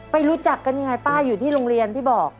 รู้จักกันยังไงป้าอยู่ที่โรงเรียนพี่บอก